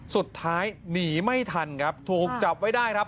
สุดท้ายหนีไม่ทันครับถูกจับไว้ได้ครับ